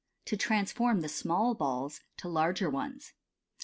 To Transform thb Small Balls to Larger Ones.